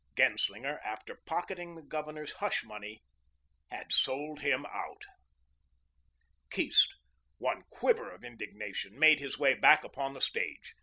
Genslinger, after pocketing the Governor's hush money, had "sold him out." Keast, one quiver of indignation, made his way back upon the stage.